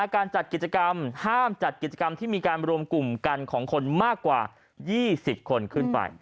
การจัดกิจกรรมห้ามจัดกิจกรรมที่มีการรวมกลุ่มกันของคนมากกว่า๒๐คนขึ้นไป